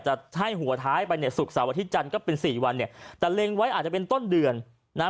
จะให้หัวท้ายไปเนี่ยศุกร์เสาร์อาทิตยจันทร์ก็เป็นสี่วันเนี่ยแต่เล็งไว้อาจจะเป็นต้นเดือนนะฮะ